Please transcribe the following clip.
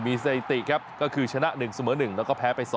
มีสถิติครับก็คือชนะ๑เสมอ๑แล้วก็แพ้ไป๒